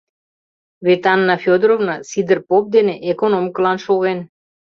— Вет Анна Фёдоровна Сидыр поп дене экономкылан шоген.